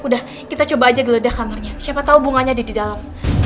udah kita coba aja geledah kamarnya siapa tahu bunganya ada di dalam